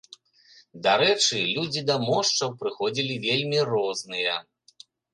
Дарэчы, людзі да мошчаў прыходзілі вельмі розныя.